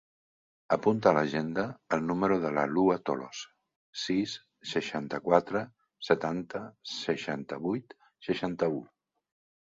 Apunta a l'agenda el número de la Lua Tolosa: sis, seixanta-quatre, setanta, seixanta-vuit, seixanta-u.